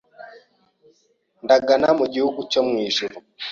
ndagana mu gihugu cyo mu ijuru